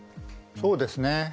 そうですね。